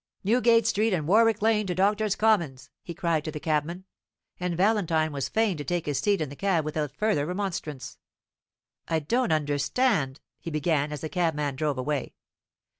"Newgate Street and Warwick Lane to Doctors' Commons!" he cried to the cabman; and Valentine was fain to take his seat in the cab without further remonstrance. "I don't understand " he began, as the cabman drove away.